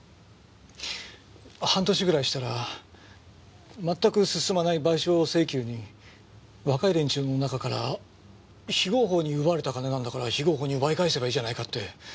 半年ぐらいしたらまったく進まない賠償請求に若い連中の中から非合法に奪われた金なんだから非合法に奪い返せばいいじゃないかって。